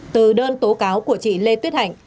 từ đơn tố cáo của chị lê tuyết hạnh